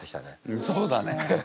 うんそうだね。